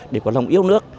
để có lòng yêu nước